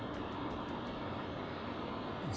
saya melihat telkom ini adalah perusahaan yang sangat berkembang